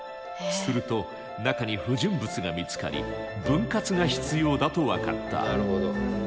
すると中に不純物が見つかり分割が必要だと分かった。